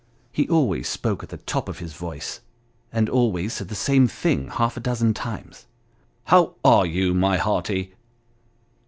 He always spoke at the top of his voice, and always said the same thing half a dozen times. " How are you, my hearty